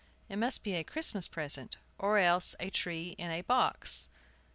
It must be a Christmas present, or else the tree in a box.